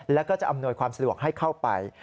แล้วก็จะอำนวยความสะดวกให้เข้าไป